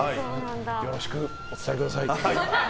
よろしくお伝えください。